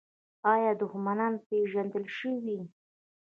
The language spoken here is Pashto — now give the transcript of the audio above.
آیا دښمنان پیژندل شوي؟